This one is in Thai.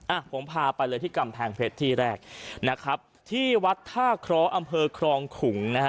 อ่ะผมพาไปเลยที่กำแพงเพชรที่แรกนะครับที่วัดท่าเคราะห์อำเภอครองขุงนะฮะ